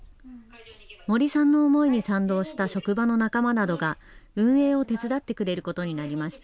森さんの思いに賛同した職場の仲間などが運営を手伝ってくれることになりました。